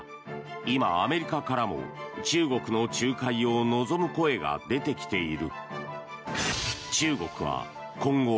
今、アメリカからも中国の仲介を望む声が出てきている。